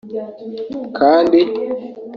Kandi